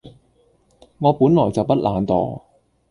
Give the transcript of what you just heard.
我本來就不懶惰